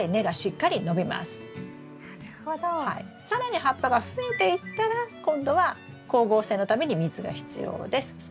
更に葉っぱが増えていったら今度は光合成のために水が必要です。